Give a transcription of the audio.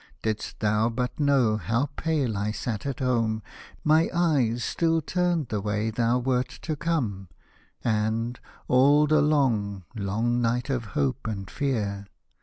Didst thou but know how pale I sat at home. My eyes still turned the way thou wert to come, And, all the long, long night of hope and fear.